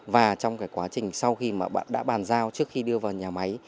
và trong quá trình sau khi bạn đã bàn giao trước khi đưa vào nhà máy